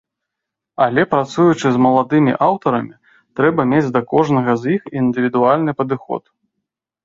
Але, працуючы з маладымі аўтарамі, трэба мець да кожнага з іх індывідуальны падыход.